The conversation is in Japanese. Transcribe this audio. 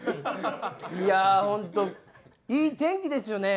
いやあ本当いい天気ですよね